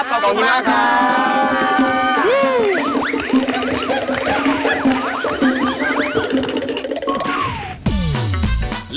ขอบคุณมากครับขอบคุณมากขอบคุณมาก